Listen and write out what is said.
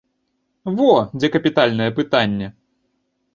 Во, дзе капітальнае пытанне!